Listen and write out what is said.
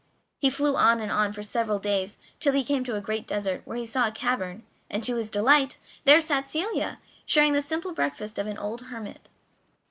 He flew on and on for several days, till he came to a great desert, where he saw a cavern, and, to his delight, there sat Celia, sharing the simple breakfast of an old hermit.